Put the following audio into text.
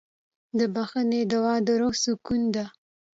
د بښنې دعا د روح سکون ده.